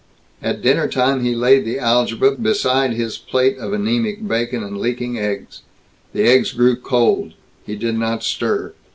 At dinner time he laid the algebra beside his plate of anemic bacon and leaking eggs. The eggs grew cold. He did not stir.